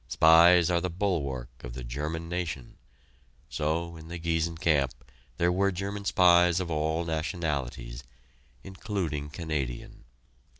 Spies are the bulwark of the German nation; so in the Giessen camp there were German spies of all nationalities, including Canadian.